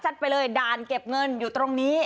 ไปเลยด่านเก็บเงินอยู่ตรงนี้